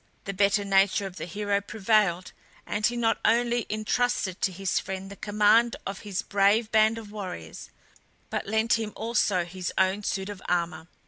The better nature of the hero prevailed, and he not only intrusted to his friend the command of his brave band of warriors, but lent him also his own suit of armour.